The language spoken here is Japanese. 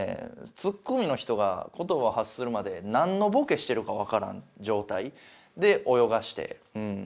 ツッコミの人が言葉を発するまで何のボケしてるか分からん状態で泳がして。